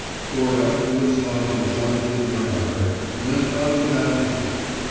Cora, who was talking jauntily to her mother, went on without heeding.